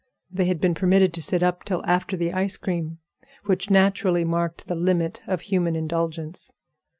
They had been permitted to sit up till after the ice cream, which naturally marked the limit of human indulgence.